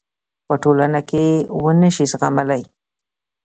پـه ټـولـنـه کـې ونشـي زغـملـى .